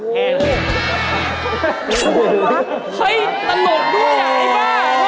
เฮ้ยตลกด้วยอ่ะไอ้ป้า